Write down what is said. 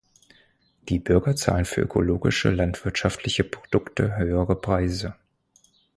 Die Bürger zahlen für ökologische landwirtschaftliche Produkte höhere Preise.